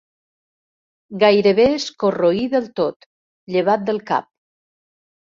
Gairebé es corroí del tot, llevat del cap.